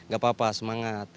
gak apa apa semangat